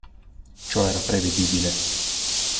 Ciò era prevedibile.